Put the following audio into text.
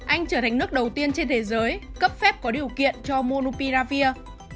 anh trở thành nước đầu tiên trên thế giới cấp phép có điều kiện cho monumiravir